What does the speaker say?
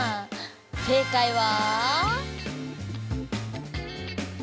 正解は。